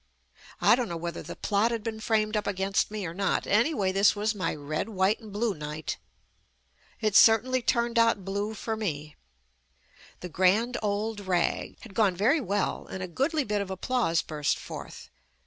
I don't know whether the plot had been framed up against me or not — anyway, this was my red, white and blue night. It certainly turned out blue for me. "The Grand Old Rag" had gone very well and a goodly bit of applause burst forth.